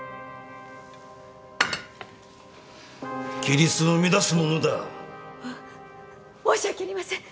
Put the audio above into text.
規律を乱す者だ。も申し訳ありません！